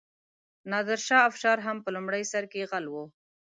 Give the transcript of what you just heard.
نادرشاه افشار هم په لومړي سر کې غل و.